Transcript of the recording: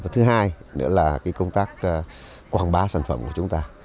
thứ hai nữa là công tác quảng bá sản phẩm của chúng ta